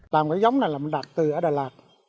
làm cái giống này là mình đạt từ ở đà lạt